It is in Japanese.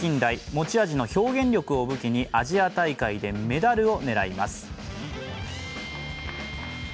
持ち味の表現力を武器にアジア大会でメダルを狙います。